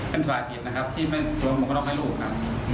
เป็นสหายผิดนะครับที่เป็นส่วนมกรรมให้ลูกน่ะอืม